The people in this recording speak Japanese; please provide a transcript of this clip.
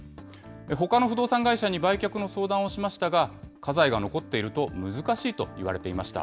ほかの不動産会社に売却の相談をしましたが、家財が残っていると難しいと言われていました。